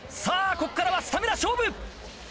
ここからはスタミナ勝負。